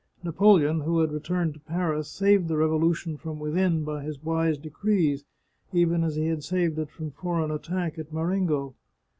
Napoleon, who had returned to Paris, saved the revolution from within by his wise decrees, even as he had saved it from foreign attack at Marengo.